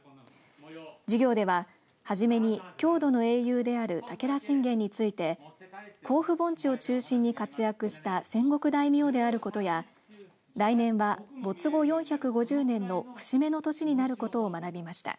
授業では初めに郷土の英雄である武田信玄について甲府盆地を中心に活躍した戦国大名であることや来年は没後４５０年の節目の年になることを学びました。